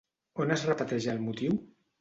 On es repeteix el motiu?